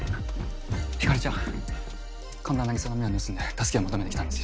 光莉ちゃん神田凪沙の目を盗んで助けを求めて来たんですよ。